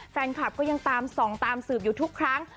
แฟนคลับก็ยังตามส่องตามสืบอยู่ทุกครั้ง